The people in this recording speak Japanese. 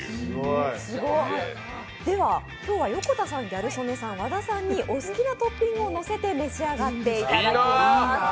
では横田さん、和田さん、ギャル曽根さんにお好きなトッピングをのせて召し上がっていただきます。